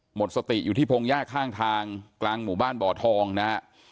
หมดสติอยู่ที่พงหญ้าข้างทางกลางหมู่บ้านบ่อทองนะฮะ